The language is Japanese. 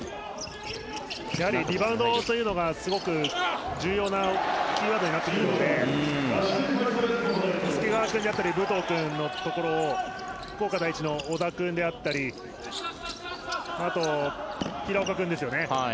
やはりリバウンドというのがすごく重要なキーワードになってくるので介川君と武藤君のところを福岡第一の小田君であったりあと、平岡君ですよね。